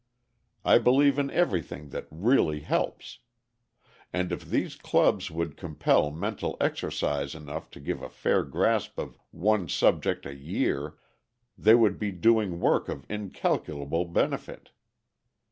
I believe in everything that really helps. And if these clubs would compel mental exercise enough to give a fair grasp of one subject a year, they would be doing work of incalculable benefit.